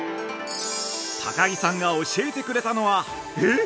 ◆高木さんが教えてくれたのはえっ！？